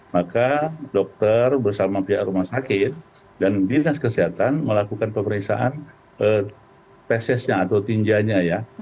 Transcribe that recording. maka dokter bersama pihak rumah sakit dan dinas kesehatan melakukan pemeriksaan pesesnya atau tinjanya ya